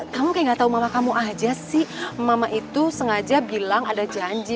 kamu kayak gak tau mama kamu aja sih mama itu sengaja bilang ada janji